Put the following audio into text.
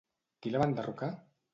Qui la va enderrocar?